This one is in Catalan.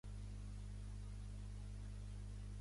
Garrett Newsome, Alexis Newsome, i Alena Newsome.